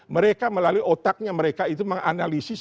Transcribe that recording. mereka melalui otaknya mereka itu menganalisis